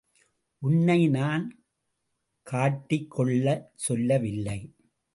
உன்னை நான் கட்டிக் கொள்ளச் சொல்லவில்லை.